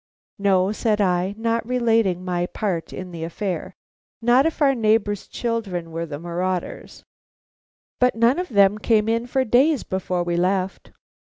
"No," said I, not relating my part in the affair; "not if our neighbor's children were the marauders." "But none of them came in for days before we left."